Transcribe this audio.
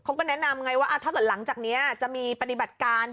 เขาก็แนะนำไงว่าถ้าเกิดหลังจากนี้จะมีปฏิบัติการ